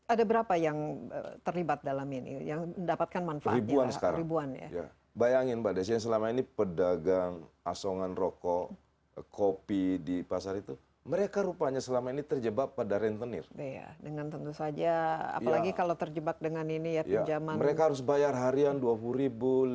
ada berapa yang terlibat dalam ini